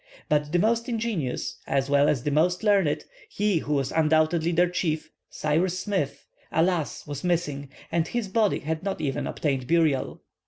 But the most ingenious, as well as the most learned—he who was undoubtedly their chief, Cyrus Smith—alas! was missing, and his body had not even obtained burial.